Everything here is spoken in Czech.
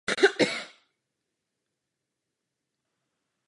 Každou hodinu od pěti ráno do sedmi večer je vysíláno aktuální zpravodajství.